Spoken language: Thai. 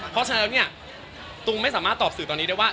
เพราะฉะนั้นแล้วเนี่ยตุงไม่สามารถตอบสื่อตอนนี้ได้ว่า